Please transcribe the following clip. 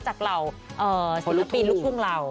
จากเหล่าศิลปินลูกคุ้งเหล่า